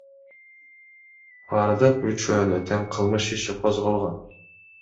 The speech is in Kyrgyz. Бардык үчөөнө тең кылмыш иши козголгон.